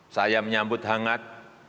saya menyambut hangat